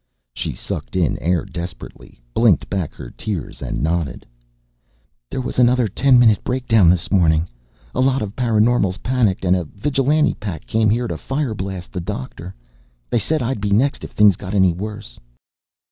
She sucked in air desperately, blinked back her tears and nodded. "There was another ten minute breakdown this morning. A lot of paraNormals panicked and a vigilante pack came here to fire blast the Doctor. They said I'd be next if things got any worse."